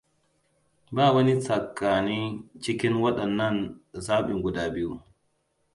Ba wani tsakani cikin waɗannan zaɓin guda biyu.